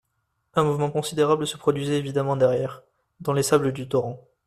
Un mouvement considérable se produisait évidemment derrière, dans les sables du Torrent.